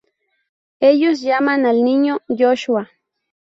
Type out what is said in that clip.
Ellos llaman al niño "Joshua".